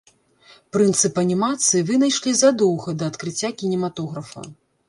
Прынцып анімацыі вынайшлі задоўга да адкрыцця кінематографа.